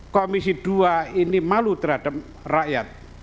komisi dua ini malu terhadap rakyat